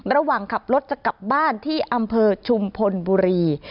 ระหว่างขับรถจะกลับบ้านที่อำเภอชุมพลบุรี